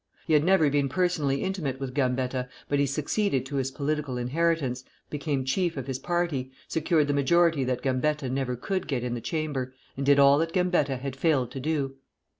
He had never been personally intimate with Gambetta, but he succeeded to his political inheritance, became chief of his party, secured the majority that Gambetta never could get in the Chamber, and did all that Gambetta had failed to do.